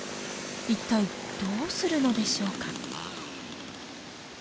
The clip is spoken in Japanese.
一体どうするのでしょうか。